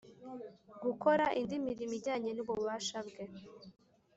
gukora indi mirimo ijyanye n ububasha bwe